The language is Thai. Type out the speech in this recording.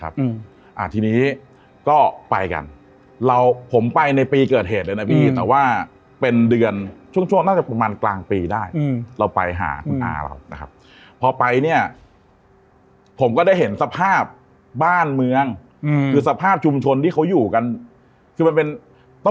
อันนี้ก็ไปกันเราผมไปในปีเกิดเหตุเลยนะพี่แต่ว่าเป็นเดือนช่วงช่วงน่าจะปร